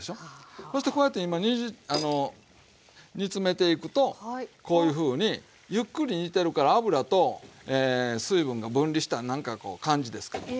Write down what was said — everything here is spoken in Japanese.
そしてこうやって今煮詰めていくとこういうふうにゆっくり煮てるから油と水分が分離したなんかこう感じですけども。